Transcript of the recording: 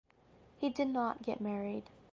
He did not get married.